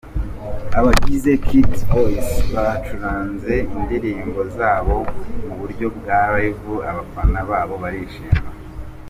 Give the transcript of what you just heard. Abagize Kidz Voice bacuranze indirimbo zabo mu buryo bwa live abafana babo barishima.